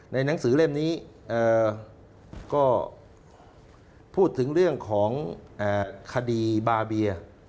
หนังสือเล่มนี้ก็พูดถึงเรื่องของคดีบาเบีย